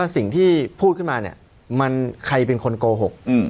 สิ่งที่พูดขึ้นมาเนี่ยมันใครเป็นคนโกหก